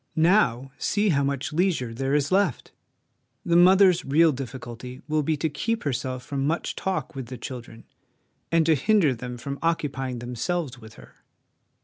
Now, see how much leisure there is left ! The mother's real difficulty will be to keep herself from much talk with the children, and to hinder them from occupying themselves with her.